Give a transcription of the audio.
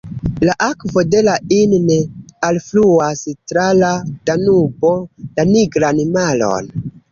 La akvo de la Inn alfluas tra la Danubo la Nigran Maron.